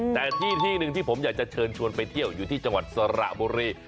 แต่ที่ที่หนึ่งที่ผมอยากจะเชิญชวนไปเที่ยวอยู่ที่จังหวัดสระบุรี